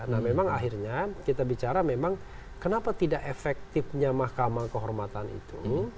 nah memang akhirnya kita bicara memang kenapa tidak efektifnya mahkamah kehormatan itu